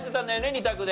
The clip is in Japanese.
２択で。